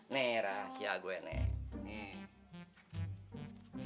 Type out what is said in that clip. nih rahasia gue nih